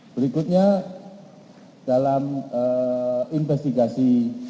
berikutnya dalam investigasi